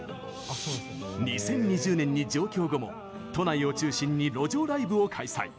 ２０２０年に上京後も都内を中心に路上ライブを開催。